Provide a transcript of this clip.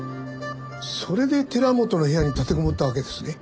それで寺本の部屋に立てこもったわけですね？